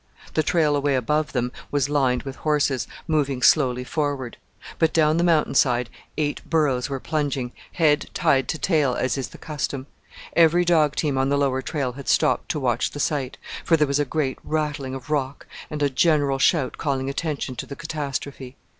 The trail away above them was lined with horses, moving slowly forward; but down the mountain side eight burroes were plunging head tied to tail as is the custom. Every dog team on the lower trail had stopped to watch the sight, for there was a great rattling of rock and a general shout calling attention to the catastrophe.